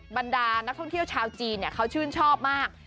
บรรดานักท่องเที่ยวชาวจีนเขาชื่นชอบมาก